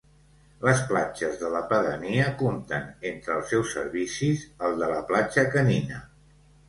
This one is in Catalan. Les platges de la pedania compten entre els seus servicis, el de la Platja Canina.